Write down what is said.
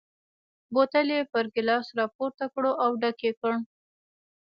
بوتل یې پر ګیلاس را پورته کړ او ډک یې کړ.